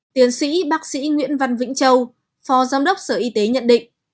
tiến sĩ bác sĩ nguyễn văn vĩnh châu phó giám đốc sở y tế nhận định